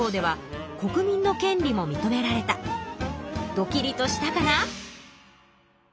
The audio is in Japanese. ドキリとしたかな？